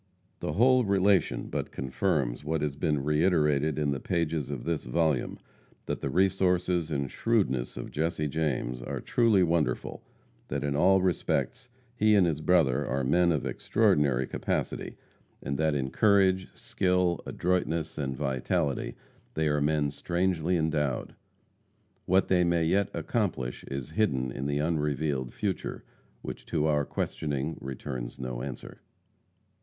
The whole relation but confirms what has been reiterated in the pages of this volume, that the resources and shrewdness of Jesse James are truly wonderful; that in all respects he and his brother are men of extraordinary capacity, and that in courage, skill, adroitness, and vitality, they are men strangely endowed. What they may yet accomplish is hidden in the unrevealed future, which to our questioning returns no answer.